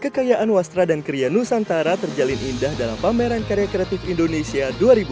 kekayaan wastra dan kria nusantara terjalin indah dalam pameran karya kreatif indonesia dua ribu dua puluh